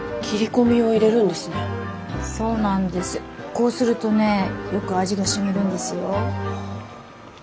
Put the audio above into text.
こうするとねよく味が染みるんですよ。